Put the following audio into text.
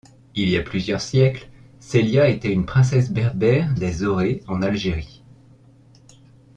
Il y a plusieurs siècles Célya était une princesse berbère des Aurès en Algérie.